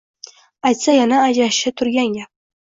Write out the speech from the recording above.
Aytsa yana ajrashishi turgan gap